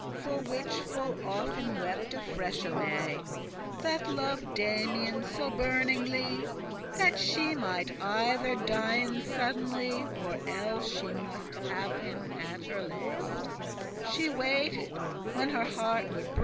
*unless For which full often wepte freshe May, That loved Damian so burningly That she must either dien suddenly, Or elles she must have him as her lest:* *pleased She waited* when her hearte woulde brest.